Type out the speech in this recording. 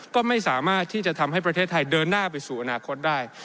ก็ไม่สามารถที่จะทำให้ประเทศไทยเดินหน้าไปสู่อนาคตได้